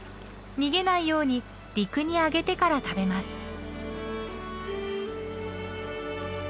逃げないように陸にあげてから食べます。